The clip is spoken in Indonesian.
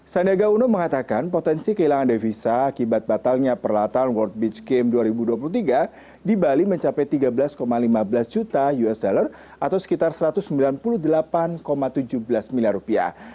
sandiaga uno mengatakan potensi kehilangan devisa akibat batalnya peralatan world beach game dua ribu dua puluh tiga di bali mencapai tiga belas lima belas juta usd atau sekitar satu ratus sembilan puluh delapan tujuh belas miliar rupiah